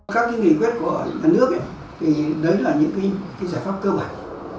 các kinh tế quét của nước thì đấy là những cái giải pháp cơ bản